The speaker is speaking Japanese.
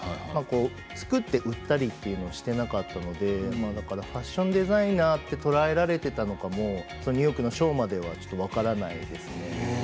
作って売ったりということをしていなかったのでファッションデザイナーと捉えられていたのかもニューヨークのショーまでは分からないです。